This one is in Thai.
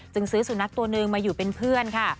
ซื้อสุนัขตัวหนึ่งมาอยู่เป็นเพื่อนค่ะ